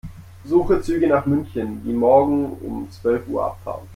Suche Züge nach München, die morgen um zwölf Uhr abfahren.